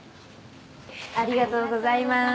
ありがとうございます。